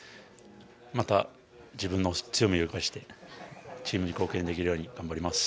また自分の強みを生かしてチームに貢献できるように頑張ります。